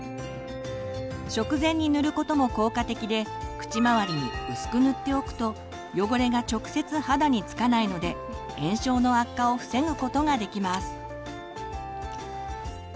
食前に塗ることも効果的で口周りに薄く塗っておくと汚れが直接肌につかないので炎症の悪化を防ぐことができます。